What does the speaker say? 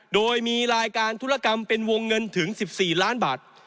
โดยมีรายการธุรกรรมเป็นวงเงินถึง๑๔ล้านบาท